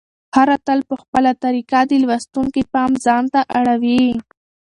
هر اتل په خپله طریقه د لوستونکي پام ځانته اړوي.